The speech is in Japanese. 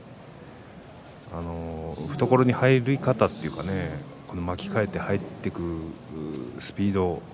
懐に入り方巻き替えて入っていくスピード